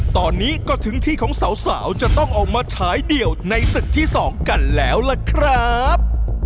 ตอนนี้ก็ถึงที่ของสาวจะต้องเอามาฉายเดี่ยวในศึกที่๒กันแล้วล่ะครับ